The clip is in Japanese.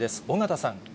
緒方さん。